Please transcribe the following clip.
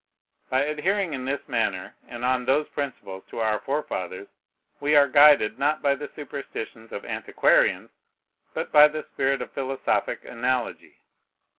By adhering in this manner and on those principles to our forefathers, we are guided, not by the superstition of antiquarians, but by the spirit of philosophic analogy.